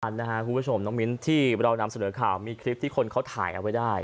นะครับคุณผู้ชมน้องมิ้นที่เรานำเสนอข่าวมีคลิปที่คนเขาถ่ายเอาไว้ได้